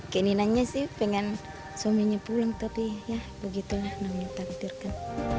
keinginannya sih pengen suaminya pulang tapi ya begitulah namanya takdirkan